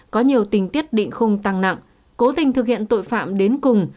có nhiều tình tiết định khung tăng nặng cố tình thực hiện tội phạm đến cùng